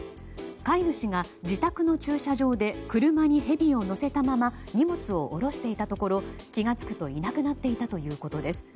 飼い主が自宅の駐車場で車にヘビを乗せたまま荷物を下ろしていたところ気が付くといなくなっていたということです。